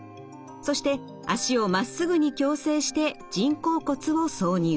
そして脚をまっすぐに矯正して人工骨を挿入。